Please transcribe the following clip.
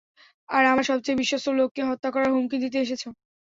আর আমার সবচেয়ে বিশ্বস্ত লোককে হত্যা করার হুমকি দিতে এসেছ?